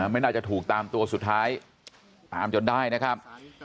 ไม่น่าจะถูกตามตัวสุดท้ายตามจนได้นะครับ